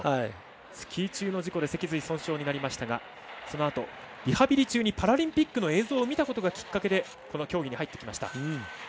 スキー中の事故で脊髄損傷になりましたがそのあと、リハビリ中にパラリンピックの映像を見たことをきっかけにこの競技に入ってきました。